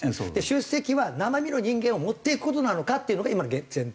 出席は生身の人間を持っていく事なのかっていうのが今の前提。